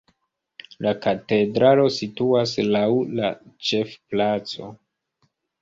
La katedralo situas laŭ la ĉefplaco.